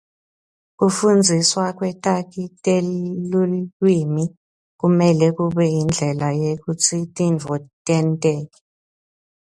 Kufundziswa kwetakhi telulwimi kumele kube indlela yekutsi tintfo tenteke.